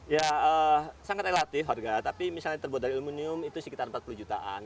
ya sangat relatif harga tapi misalnya terbuat dari ilminium itu sekitar empat puluh jutaan